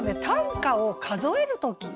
短歌を数える時。